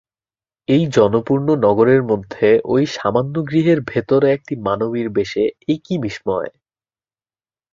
এই জনপূর্ণ নগরের মধ্যে ঐ সামান্য গৃহের ভিতরে একটি মানবীর বেশে এ কী বিসময়!